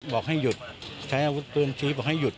บอกให้หยุดใช้อาวุธปืนชี้บอกให้หยุด